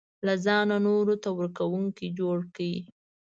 له ځانه نورو ته ورکوونکی جوړ کړي.